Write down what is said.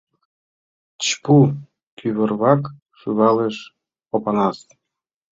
Чпу! — кӱварвак шӱвалеш Опанас.